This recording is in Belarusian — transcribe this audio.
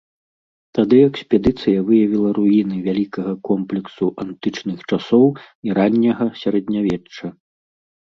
Тады экспедыцыя выявіла руіны вялікага комплексу антычных часоў і ранняга сярэднявечча.